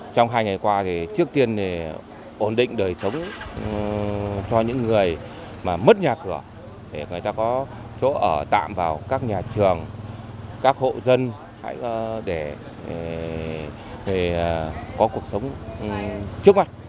trong hai ngày qua thì trước tiên ổn định đời sống cho những người mà mất nhà cửa để người ta có chỗ ở tạm vào các nhà trường các hộ dân hãy để có cuộc sống trước mắt